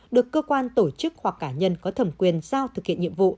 được cơ quan tổ chức hoặc cá nhân có thẩm quyền giao thực hiện nhiệm vụ